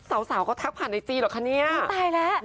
เสาก็ทักผ่านไอจีหรอกคะเนี่ย